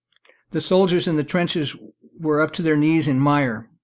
The soldiers in the trenches were up to their knees in mire.